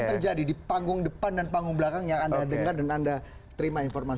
yang terjadi di panggung depan dan panggung belakang yang anda dengar dan anda terima informasi